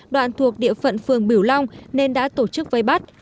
đoạn thuộc địa phận phường biểu long nên đã tổ chức vây bắt